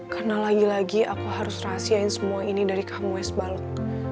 karena lagi lagi aku harus rahasiain semua ini dari kamu wes balog